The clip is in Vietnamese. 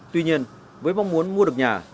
tuy nhiên với mong muốn mua được nhà